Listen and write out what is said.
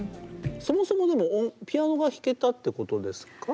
そもそもでもピアノが弾けたってことですか？